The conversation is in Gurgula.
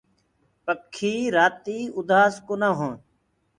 پکي رآتي اُدآس ڪونآ هوئينٚ۔